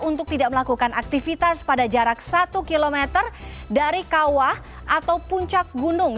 untuk tidak melakukan aktivitas pada jarak satu km dari kawah atau puncak gunung